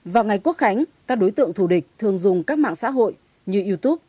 vào ngày quốc khánh các đối tượng thù địch thường dùng các mạng xã hội như youtube